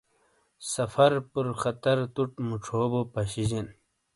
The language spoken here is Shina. سفر پُر خطر تُٹ مُچھو بو پشی جین۔